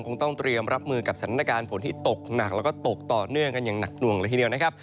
คงต้องเตรียมรับมือกับสถานการณ์ฝนที่ตกหนักแล้วก็ตกต่อเนื่องกันอย่างหนักหน่วงเลยทีเดียวนะครับ